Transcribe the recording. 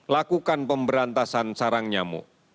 lakukan pemberantasan sarang nyamuk